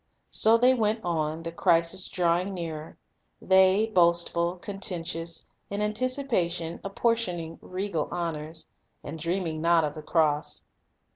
So they went on, the crisis drawing nearer; they, boastful, contentious, in anticipation apportioning regal honors, and dreaming not of the cross.